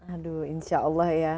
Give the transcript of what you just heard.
aduh insya allah ya